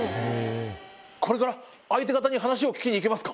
これから相手方に話を聞きに行けますか？